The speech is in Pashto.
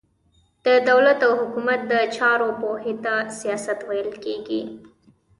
د دولت او حکومت د چارو پوهي ته سياست ويل کېږي.